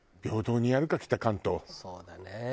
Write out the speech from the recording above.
そうだね。